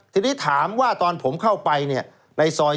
ทีนี้ถามว่าตอนผมเข้าไปในซอย๗นะครับ